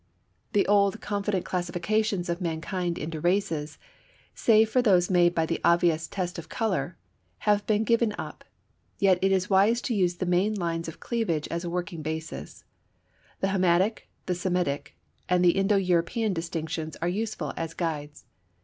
The old confident classifications of mankind into races, save for those made by the obvious test of color, have been given up. Yet it is wise to use the main lines of cleavage as a working basis. The Hamitic, Semitic and Indo European distinctions are useful as guides.